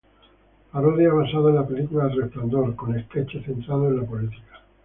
Parodia basada en la película El Resplandor, con sketches centrados en la política.